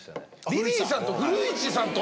リリーさんと古市さんと！？